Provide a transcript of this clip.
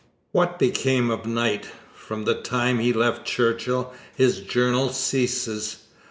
What became of Knight? From the time he left Churchill, his journal ceases.